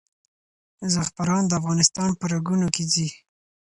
زعفران د افغانستان په رګونو کې ځي.